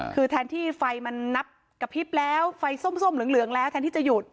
คือแทนที่ไฟมันนับกระพริบแล้วไฟส้มเหลืองแล้วแทนที่จะหยุด